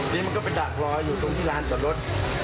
นี่มันก็ไปดักรออยู่ตรงที่ร้านจอดรถ